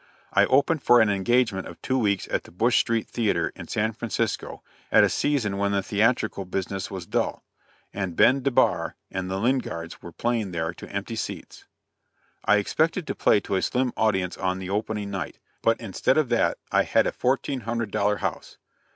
I opened for an engagement of two weeks at the Bush Street Theatre, in San Francisco, at a season when the theatrical business was dull, and Ben DeBar and the Lingards were playing there to empty seats. I expected to play to a slim audience on the opening night, but instead of that I had a fourteen hundred dollar house.